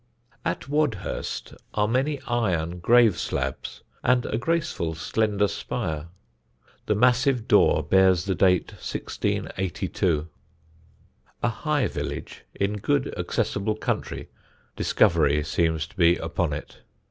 At Wadhurst are many iron grave slabs and a graceful slender spire. The massive door bears the date 1682. A high village, in good accessible country, discovery seems to be upon it.